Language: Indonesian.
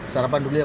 sarapan dulu ya pak